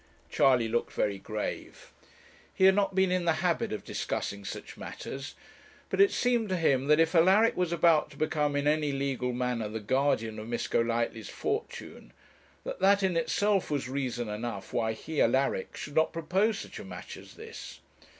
Charley looked very grave. He had not been in the habit of discussing such matters, but it seemed to him, that if Alaric was about to become in any legal manner the guardian of Miss Golightly's fortune, that that in itself was reason enough why he, Alaric, should not propose such a match as this.